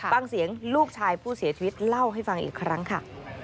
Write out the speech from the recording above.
ฟังเสียงลูกชายผู้เสียชีวิตเล่าให้ฟังอีกครั้งค่ะ